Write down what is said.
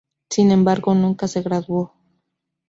Sin embargo, nunca se graduó.